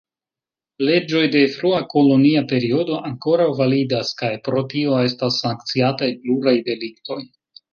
Leĝoj de frua kolonia periodo ankoraŭ validas kaj pro tio estas sankciataj pluraj deliktoj.